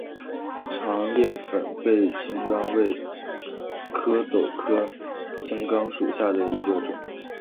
长叶粉背青冈为壳斗科青冈属下的一个种。